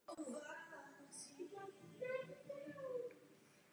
Pod vrcholem hory je vytesán do skály kostel San Nicola.